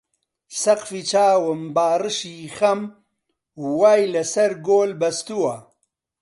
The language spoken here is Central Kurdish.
سەقفی چاوم باڕشی خەم وای لە سەر گۆل بەستووە